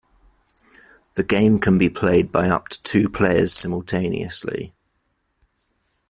The game can be played by up to two players simultaneously.